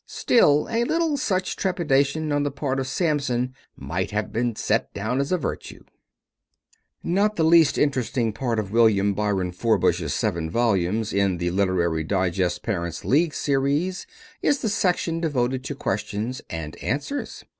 Still a little such trepidation on the part of Samson might have been set down as a virtue. Not the least interesting part of William Byron Forbush's seven volumes in The Literary Digest Parents' League Series is the section devoted to questions and answers.